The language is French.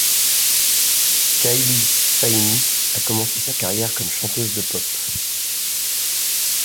Cailee Spaeny a commencé sa carrière comme chanteuse de pop.